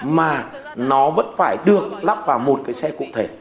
mà nó vẫn phải được lắp vào một cái xe cụ thể